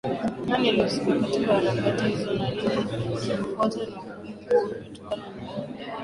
Nani alihusika katika harakati hizo na nini kilifuata na ugumu huo ulitokana na nini